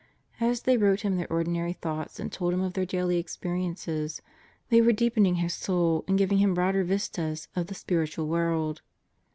As they wrote him their ordinary thoughts and told of their daily experiences, they were deepening his soul and giving him broader vistas of the spiritual world.